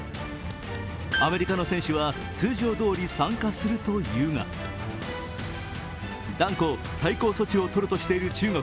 アメリカの選手は通常どおり参加するというが、断固、対抗措置をとるとしている中国。